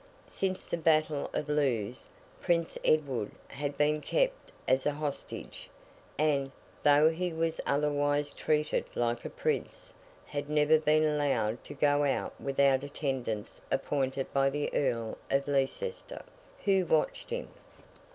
Since the battle of Lewes, Prince Edward had been kept as a hostage, and, though he was otherwise treated like a Prince, had never been allowed to go out without attendants appointed by the Earl of Leicester, who watched him.